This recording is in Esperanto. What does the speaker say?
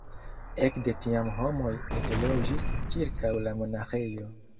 Ekde tiam homoj ekloĝis ĉirkaŭ la monaĥejo.